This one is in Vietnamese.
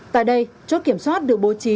tại đây chốt kiểm soát được bố trí